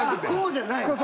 こうじゃない。